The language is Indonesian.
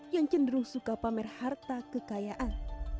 yang cenderung suka pamer harta kekayaan